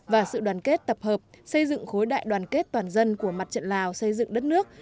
và sự đoàn kết tập hợp xây dựng khối đại đoàn kết toàn dân của mặt trận lào xây dựng đất nước